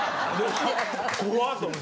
怖っと思て。